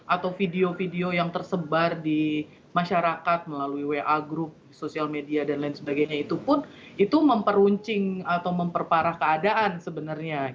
atau video video yang tersebar di masyarakat melalui wa grup social media dan lain sebagainya itupun itu mempermuncing atau memperparah keadaan sebenarnya